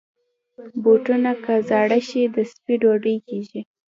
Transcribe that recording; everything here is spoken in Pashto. بوټونه که زاړه شي، د سپي ډوډۍ کېږي.